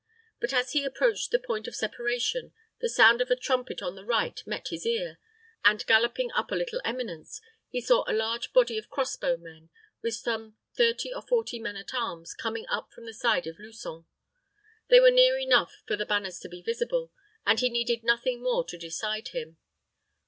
But as he approached the point of separation, the sound of a trumpet on the right met his ear, and, galloping up a little eminence, he saw a large body of crossbow men, with some thirty or forty men at arms coming up from the side of Luçon. They were near enough for the banners to be visible, and he needed nothing more to decide him.